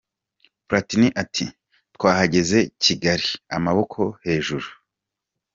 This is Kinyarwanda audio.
Platini ati :Twahageze Kigali amaboko hejuru.